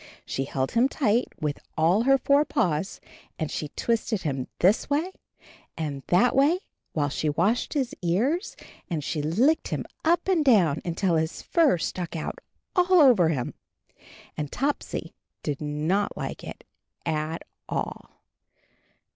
She held him tight with all her four paws, and she twisted him this way and that way, while she washed his ears, and she licked him up and down until his fur stuck out all over him. And Topsy did not like it at all.